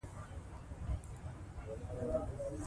که مې چېرې لاس د واک درورسېږي